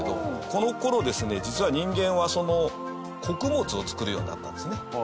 この頃ですね、実は、人間は穀物を作るようになったんですね。